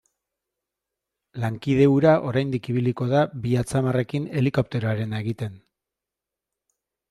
Lankide hura oraindik ibiliko da bi atzamarrekin helikopteroarena egiten.